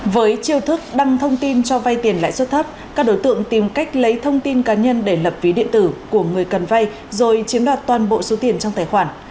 với chiêu thức đăng thông tin cho vay tiền lãi suất thấp các đối tượng tìm cách lấy thông tin cá nhân để lập ví điện tử của người cần vay rồi chiếm đoạt toàn bộ số tiền trong tài khoản